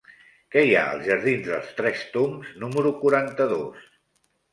Què hi ha als jardins dels Tres Tombs número quaranta-dos?